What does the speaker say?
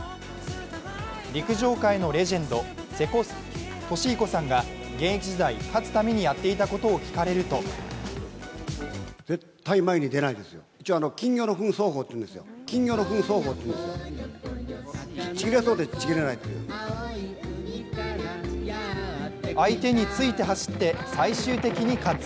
陸上界のレジェンド・瀬古利彦さんが現役時代、勝つためにやっていたことを聞かれると相手について走って最終的に勝つ。